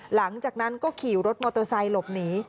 หลังจากนั้นก็ขี่รถมอเตอร์ไซค์หลบหนี